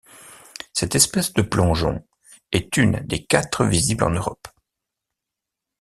Cette espèce de plongeon est une des quatre visibles en Europe.